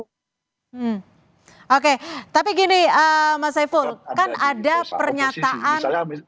hmm oke tapi gini mas saiful kan ada pernyataan